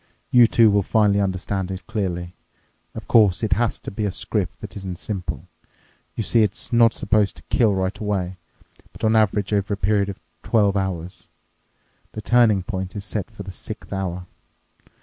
You too will finally understand it clearly. Of course, it has to be a script that isn't simple. You see, it's not supposed to kill right away, but on average over a period of twelve hours. The turning point is set for the sixth hour.